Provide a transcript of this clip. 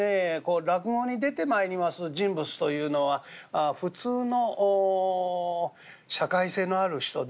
落語に出てまいります人物というのは普通の社会性のある人ではございませんですね。